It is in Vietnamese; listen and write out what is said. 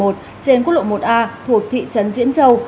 trên quốc lộ một a thuộc thị trấn diễn châu